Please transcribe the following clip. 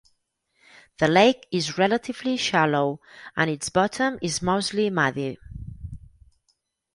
The lake is relatively shallow and its bottom is mostly muddy.